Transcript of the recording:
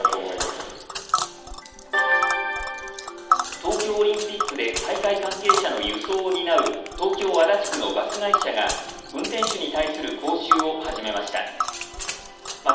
東京オリンピックで大会関係者の輸送を担う東京足立区のバス会社が運転手に対する講習を始めました。